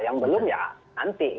yang belum ya nanti